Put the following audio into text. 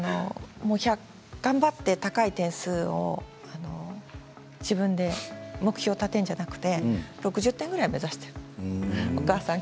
頑張って高い点数を自分で目標を立てるのではなくて６０点ぐらい目指してお母さん